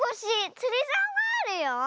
つりざおがあるよ。